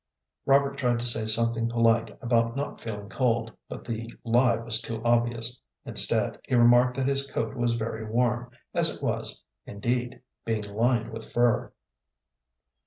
Robert tried to say something polite about not feeling cold, but the lie was too obvious. Instead, he remarked that his coat was very warm, as it was, indeed, being lined with fur.